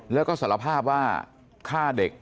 แล้วก็สารภาพว่าฆ่าเด็ก